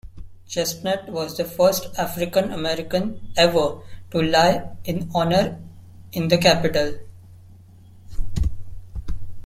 Chestnut was the first African American ever to lie in honor in the Capitol.